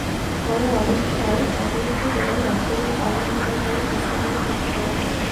পরে অবস্থার অবনতি হলে রংপুরের প্রাইম মেডিকেল কলেজ হাসপাতালে ভর্তি করা হয়।